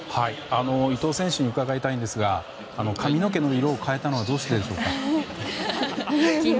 伊東選手に伺いたいんですが髪の毛の色を変えたのはどうしてでしょうか？